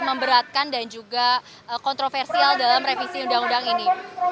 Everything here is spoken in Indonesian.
memberatkan dan juga kontroversial dalam revisi undang undang ini